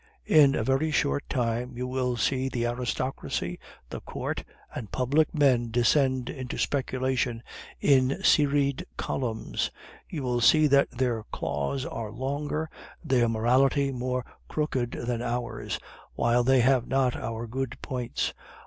In a very short time you will see the aristocracy, the court, and public men descend into speculation in serried columns; you will see that their claws are longer, their morality more crooked than ours, while they have not our good points.